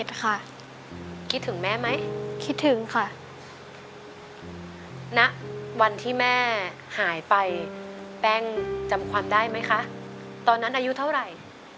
ได้ไหมคะตอนนั้นอายุเท่าไร